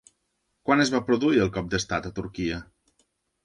Quan es va produir el cop d'estat a Turquia?